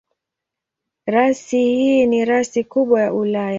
Rasi hii ni rasi kubwa ya Ulaya.